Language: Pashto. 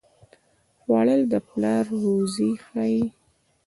خوړل د پلار روزي ښيي